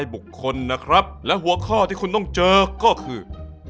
บุคคลนะครับและหัวข้อที่คุณต้องเจอก็คือ